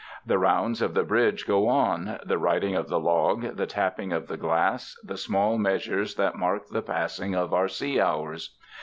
The rounds of the bridge go on the writing of the log, the tapping of the glass, the small measures that mark the passing of our sea hours.